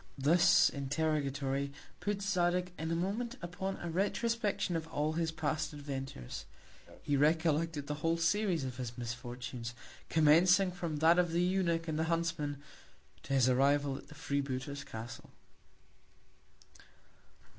This Interrogatory put Zadig in a Moment upon a Retrospection of all his past Adventures. He recollected the whole Series of his Misfortunes; commencing from that of the Eunuch and the Huntsman, to his Arrival at the Free booter's Castle.